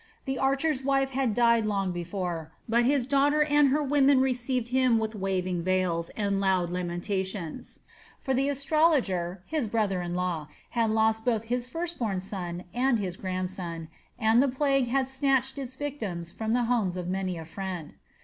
The archer's wife had died long before, but his daughter and her women received him with waving veils and loud lamentations; for the astrologer, his brother in law, had lost both his first born son and his grandson, and the plague had snatched its victims from the homes of many a friend.